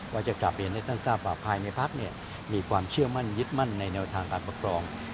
จะกลับเรียนให้ท่านทราบว่าภายในพักมีความเชื่อมั่นยึดมั่นในแนวทางการปกครอง